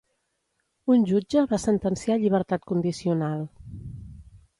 Un jutge va sentenciar llibertat condicional.